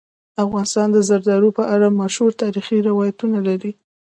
افغانستان د زردالو په اړه مشهور تاریخی روایتونه لري.